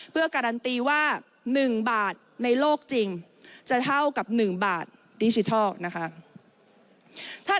เพื่อการันตีว่า๑บาทในโลกจริงจะเท่ากับ๑บาทดิจิทัลนะคะ